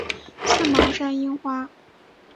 刺毛山樱花